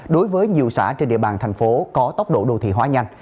đối với nhiều xã trên địa bàn thành phố có tốc độ đô thị hóa nhanh